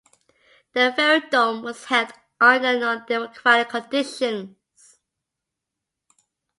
The referendum was held under non-democratic conditions.